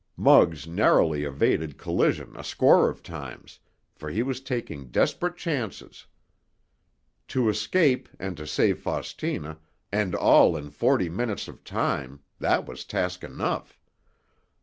Muggs narrowly evaded collision a score of times, for he was taking desperate chances. To escape, and to save Faustina, and all in forty minutes of time—that was task enough.